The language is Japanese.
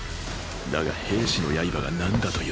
だが兵士の刃が何だと言うんだ。